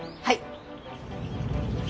はい！